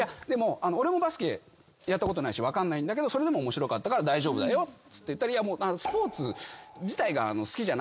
俺もバスケやったことないし分かんないんだけどそれでも面白かったから大丈夫だよっつって言ったら。